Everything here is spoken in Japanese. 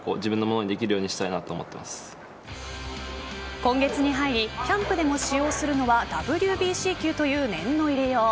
今月に入りキャンプでも使用するのはＷＢＣ球という念の入れよう。